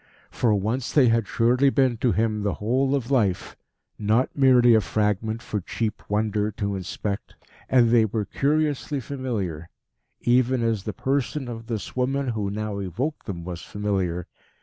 For once they had surely been to him the whole of life, not merely a fragment for cheap wonder to inspect. And they were curiously familiar, even as the person of this woman who now evoked them was familiar.